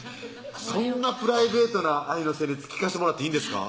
そんなプライベートな愛の旋律聴かしてもらっていいんですか？